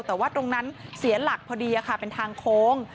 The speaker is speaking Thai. แต่ว่าตรงนั้นเสียหลักพอดีค่ะเป็นทางโค้ง